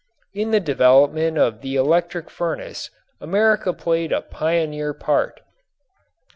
In the development of the electric furnace America played a pioneer part.